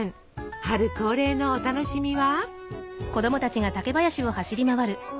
春恒例のお楽しみは？